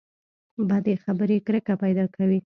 بدې خبرې کرکه پیدا کوي.